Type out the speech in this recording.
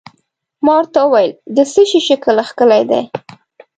ما ورته وویل: د څه شي شکل کښلی دی؟